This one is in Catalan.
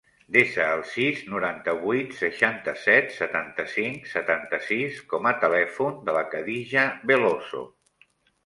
Desa el sis, noranta-vuit, seixanta-set, setanta-cinc, setanta-sis com a telèfon de la Khadija Veloso.